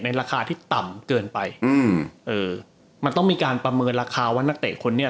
ราคาที่ต่ำเกินไปอืมเอ่อมันต้องมีการประเมินราคาว่านักเตะคนนี้